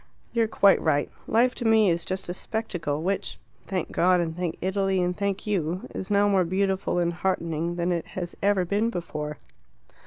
You are quite right; life to me is just a spectacle, which thank God, and thank Italy, and thank you is now more beautiful and heartening than it has ever been before."